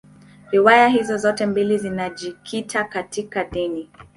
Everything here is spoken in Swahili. Riwaya hizi zote mbili zinajikita katika dini.